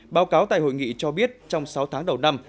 báo cáo tại hội nghị cho biết trong sáu tháng đầu năm